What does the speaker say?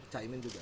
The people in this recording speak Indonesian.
kak imin juga